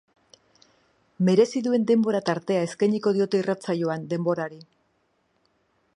Merezi duen denbora tartea eskeiniko diote irratsaioan denborari.